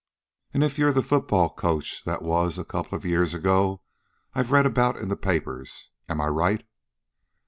"An' if you're the football coach that was, a couple of years ago, I've read about you in the papers. Am I right?"